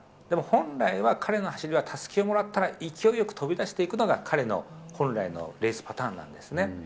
でも本来は彼の走りは、たすきをもらったら勢いよく飛び出していくのが彼の本来のレースパターンなんですね。